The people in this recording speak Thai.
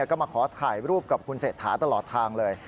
ก็มาขอถ่ายรูปกับคุณเศรษฐาตลอดทางเลย